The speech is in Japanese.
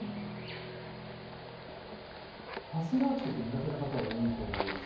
ファスナーつけって苦手な方多いと思うんですよ。